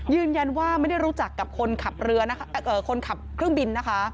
ยืนยันว่าไม่ได้รู้จักกับคนขับเครื่องบิน